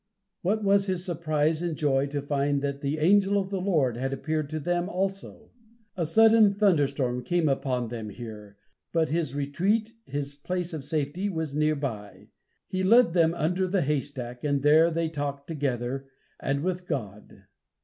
What was his surprise and joy to find that the "Angel of the Lord" had appeared to them also. A sudden thunder storm came upon them here, but his retreat, his place of safety, was near by. He led them under the haystack, and there they talked together, and with God.